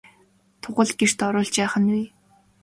Тугал гэрт оруулж яах нь вэ?